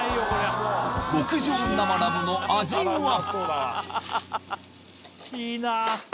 極上生ラムの味は？